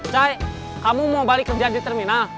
cai kamu mau balik kerja di terminal